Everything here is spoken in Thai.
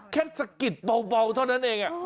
สะกิดเบาเท่านั้นเอง